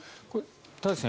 田崎さん